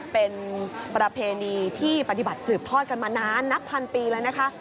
เป็นประเพณีที่ปฏิบัติสืบทอดกันมานานนับพันปีแล้วนะคะ